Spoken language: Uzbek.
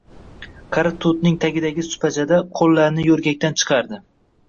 Qari tutning tagidagi supachada qo‘llarini yo‘rgakdan chiqardi.